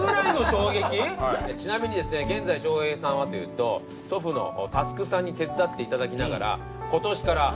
ちなみに現在将兵さんはというと祖父の祐さんに手伝っていただきながら。